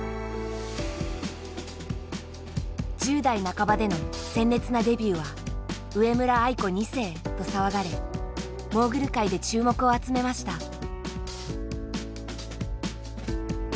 １０代半ばでの鮮烈なデビューは「上村愛子２世」と騒がれモーグル界で注目を集めました。